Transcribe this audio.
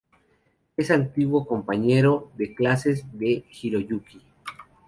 Es un antiguo compañero de clases de Hiroyuki.